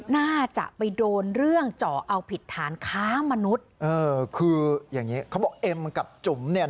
น่าจะไปโดนเรื่องเจาะเอาผิดฐานค้ามนุษย์คืออย่างนี้เขาบอกเอ็มกับจุ๋มเนี่ย